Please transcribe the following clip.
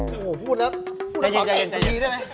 โอ้โหพูดแล้วพูดแล้วขอเตะกันดีด้วยไหม